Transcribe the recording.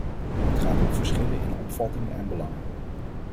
Het gaat om verschillen in opvattingen en belangen.